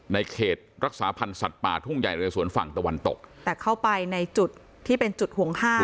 เขตรักษาพันธ์สัตว์ป่าทุ่งใหญ่เรสวนฝั่งตะวันตกแต่เข้าไปในจุดที่เป็นจุดห่วงห้า